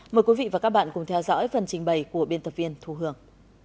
mời quý vị và các bạn cùng theo dõi phần trình bày của biên tập viên thu hường